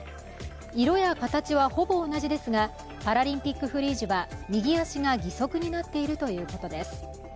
色や形はほぼ同じですがパラリンピック・フリージュは右足が義足になっているということです。